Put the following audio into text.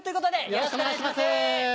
よろしくお願いします。